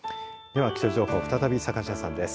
では気象情報再び坂下さんです。